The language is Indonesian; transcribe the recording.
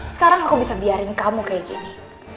sekarang kau bisa biarin kamu kayak gini